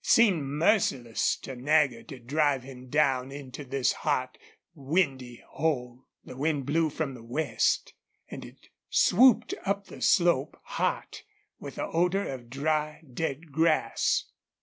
It seemed merciless to Nagger to drive him down into this hot, windy hole. The wind blew from the west, and it swooped up the slope, hot, with the odor of dry, dead grass.